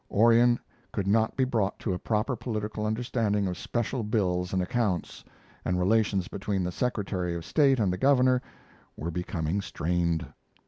Orion could not be brought to a proper political understanding of "special bills and accounts," and relations between the secretary of state and the governor were becoming strained.